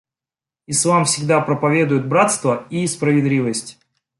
Ислам всегда проповедует братство и справедливость.